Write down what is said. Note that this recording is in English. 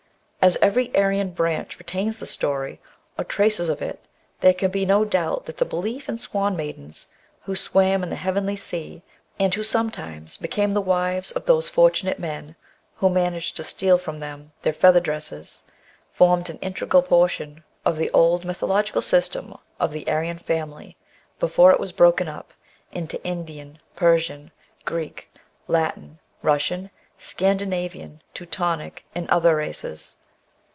As every Aryan branch retains the story, or traces of it, there can be no doubt that the belief in swan maidens, who swam in the heavenly sea, and who sometimes became the wives of those fortunate men who managed to steal from them their feather dresses, formed an integral portion of the old mythological system of the Aryan family, before it was broken up into Indian, Persian, Greek, Latin, Russian, Scandinavian, Teutonic, and other races.